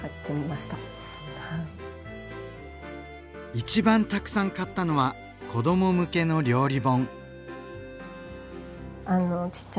一番たくさん買ったのは子ども向けの料理本。